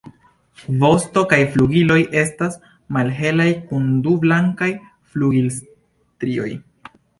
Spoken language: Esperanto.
Vosto kaj flugiloj estas malhelaj kun du blankaj flugilstrioj.